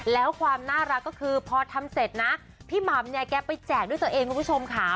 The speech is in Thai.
แล้วความน่ารักก็คือพอทำเสร็จนะพี่หม่ำเนี่ยแกไปแจกด้วยตัวเองคุณผู้ชมค่ะ